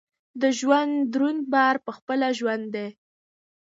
د ژوند دروند بار پخپله ژوند دی.